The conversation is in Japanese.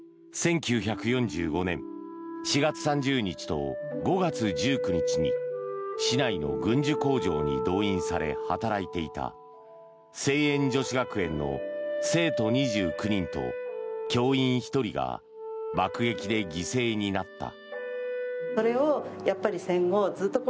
１９４５年４月３０日と５月１９日に市内の軍需工場に動員され働いていた西遠女子学園の生徒２９人と教員１人が爆撃で犠牲になった。